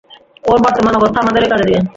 ওর বর্তমান অবস্থা আমাদেরই কাজে দিবে।